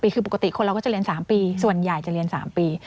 คือปกติคนเราก็จะเรียน๓ปีส่วนใหญ่จะเรียน๓ปี